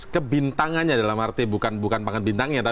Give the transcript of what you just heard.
kebintangannya dalam arti bukan pangan bintangnya